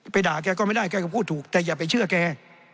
ด่าแกก็ไม่ได้แกก็พูดถูกแต่อย่าไปเชื่อแก